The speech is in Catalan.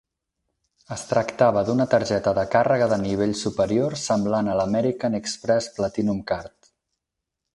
Es tractava d'una targeta de càrrega de nivell superior semblant a l'American Express Platinum Card.